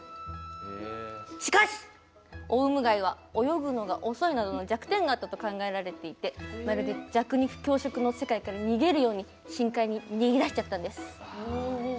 しかし、オウムガイは泳ぐのが遅いなどの弱点があったと考えられていてまるで弱肉強食の世界から逃げるように深海に逃げ出しちゃったんです。